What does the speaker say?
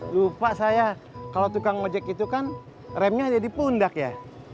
lupa saya kalau tukang mejek itu kan remnya ada di pundak ya